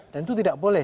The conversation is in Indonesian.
dan itu tidak boleh